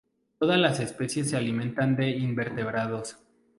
Todas las especies se alimentan de invertebrados.